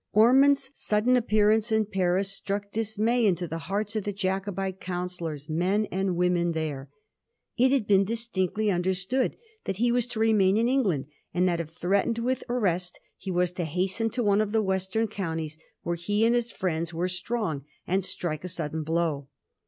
Ormond's sudden appearance in Paris struck dismay into the hearts of the Jacobite counsellors^ men and women, there. It had been distinctl}* understood that he was to remain in England, and that, if threatened with arrest, he was to hasten to one of the western counties, where he and his friends were strong, and strike a sudden blow.